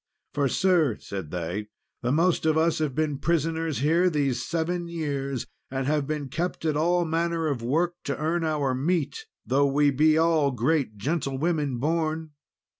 "For, sir," said they, "the most of us have been prisoners here these seven years; and have been kept at all manner of work to earn our meat, though we be all great gentlewomen born.